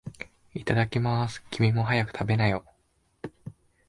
いただきまーす。君も、早く食べなよ。